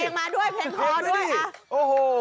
อ่าเพลงมาด้วยเพลงคอด้วยเอ้าโอ้โห